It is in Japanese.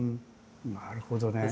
なるほどね。